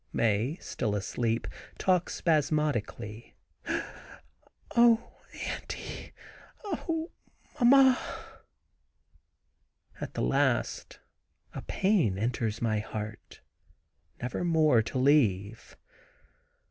Mae, still asleep, talks spasmodically. "Oh, auntie! Oh, mamma!" At the last a pain enters my heart, never more to leave.